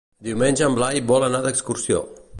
Diumenge en Blai vol anar d'excursió.